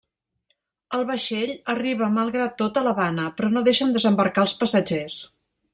El vaixell arriba malgrat tot a l'Havana, però no deixen desembarcar els passatgers.